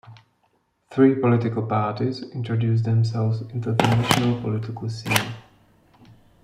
Three political parties introduced themselves into the national political scene.